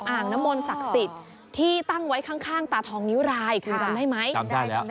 อ่างน้ำมนต์ศักดิ์สิทธิ์ที่ตั้งไว้ข้างตาทองนิ้วรายคุณจำได้ไหมจำได้แล้วนะ